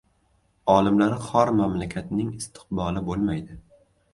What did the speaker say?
Olimlari xor mamlakatning istiqboli bo‘lmaydi.